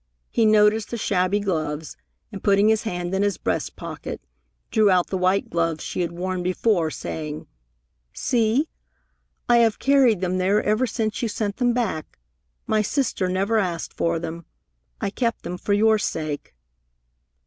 He noticed the shabby gloves, and, putting his hand in his breast pocket, drew out the white gloves she had worn before, saying, "See! I have carried them there ever since you sent them back! My sister never asked for them. I kept them for your sake."